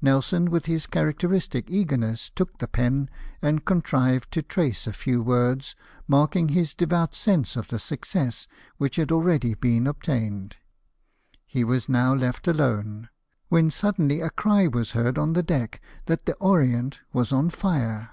Nelson, with his characteristic eagerness, took the pen, and contrived to trace a few words, marking his devout sense of the success which had already been obtained. He was now left alone, when suddenly a cry was heard on the deck that the Orient was on fire.